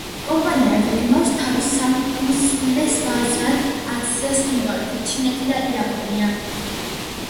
კომპანია გეგმავს, თავის სამ უმსხვილეს ბაზრად აქციოს ინდოეთი, ჩინეთი და იაპონია.